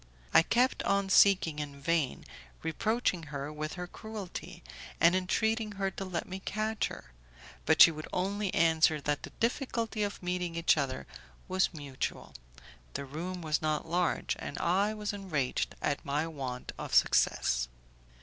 I kept on seeking in vain, reproaching her with her cruelty, and entreating her to let me catch her; but she would only answer that the difficulty of meeting each other was mutual. The room was not large, and I was enraged at my want of success.